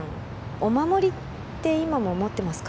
お守りって今も持ってますか？